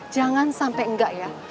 jangan sampe engga ya